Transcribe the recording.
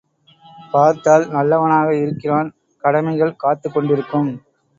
பார்த்தால் நல்லவனாக இருக்கின்றான் கடமைகள் காத்துக் கொண்டிருக்கும்.